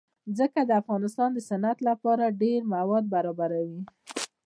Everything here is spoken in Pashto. ځمکه د افغانستان د صنعت لپاره ډېر مواد برابروي.